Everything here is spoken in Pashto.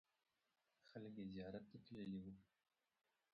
خلک یې زیارت ته تللې وو.